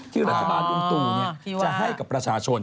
ที่รัฐบาลลุงตู่จะให้กับประชาชน